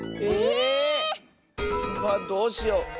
え⁉どうしよう。